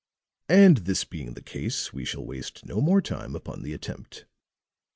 And this being the case, we shall waste no more time upon the attempt."